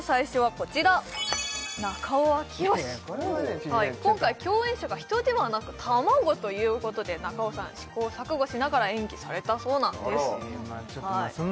これはね今回共演者が人ではなく卵ということで中尾さん試行錯誤しながら演技されたそうなんです